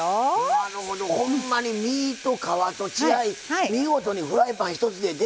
なるほどほんまに身と皮と血合い見事にフライパン一つで出来上がりましたな。